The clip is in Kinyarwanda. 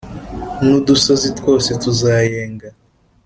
n’udusozi twose tuzayenga.